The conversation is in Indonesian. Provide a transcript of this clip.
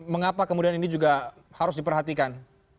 mengapa kemudian ini juga harus diperhatikan